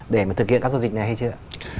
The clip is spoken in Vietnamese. để mà thực hiện các giáo dịch này hay chưa